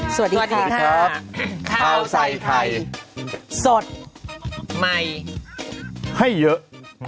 สวัสดีค่ะข้าวใส่ไข่สดใหม่ให้เยอะ